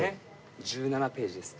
１７ページです。